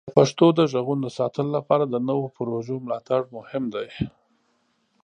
د پښتو د غږونو د ساتلو لپاره د نوو پروژو ملاتړ مهم دی.